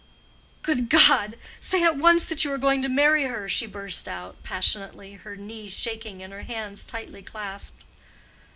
"Good God! say at once that you are going to marry her," she burst out, passionately, her knees shaking and her hands tightly clasped.